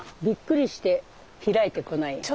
びっくりして開いてこない。